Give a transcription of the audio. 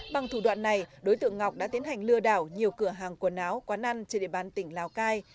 bằng thủ đoạn này đối tượng ngọc đã tiến hành lừa đảo nhiều cửa hàng quần áo quán ăn trên địa bàn tỉnh lào cai